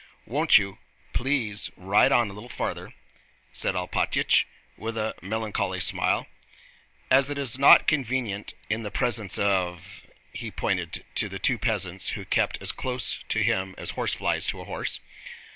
Won't you, please, ride on a little farther," said Alpátych with a melancholy smile, "as it is not convenient in the presence of...?" He pointed to the two peasants who kept as close to him as horseflies to a horse.